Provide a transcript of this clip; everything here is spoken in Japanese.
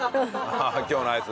今日のアイス。